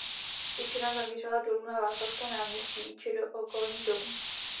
Většina zamířila dolů na Václavské náměstí či do okolních domů.